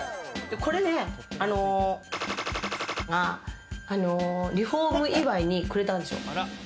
これがリフォーム以外にくれたんですよ。